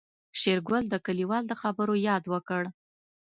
شېرګل د کليوال د خبرو ياد وکړ.